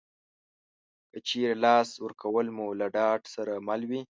که چېرې لاس ورکول مو له ډاډ سره مل وي